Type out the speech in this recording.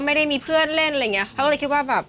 ไม่ได้มีเพื่อนเล่นอะไรอย่างเงี้เขาก็เลยคิดว่าแบบ